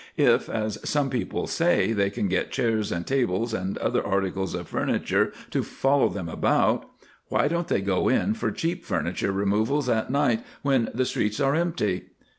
If, as some people say, they can get chairs and tables and other articles of furniture to follow them about, why don't they go in for cheap furniture removals at night when the streets are empty?"